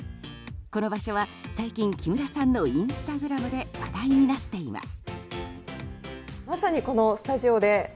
この場所は、最近木村さんのインスタグラムで話題になっています。